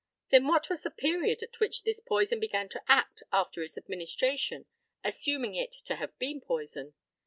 Then what was the period at which this poison began to act after its administration, assuming it to have been poison?